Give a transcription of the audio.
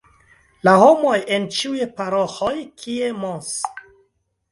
La homoj en ĉiuj paroĥoj, kie Mons.